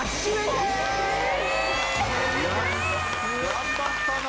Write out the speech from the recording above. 頑張ったな！